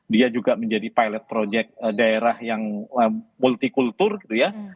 dia juga menjadi pilot project daerah yang multikultur gitu ya